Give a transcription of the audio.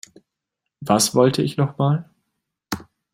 Was wollte ich noch mal?